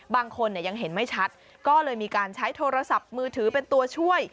บางคนยังเห็นไม่ชัดก็เลยมีการใช้โทรศัพท์มือถือเป็นตัวช่วย